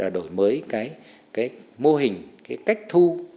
đổi mới cái mô hình cái cách thu